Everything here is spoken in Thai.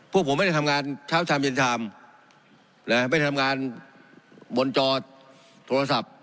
พวกผมไม่ได้ทำงานเช้าชามเย็นชามไม่ได้ทำงานบนจอโทรศัพท์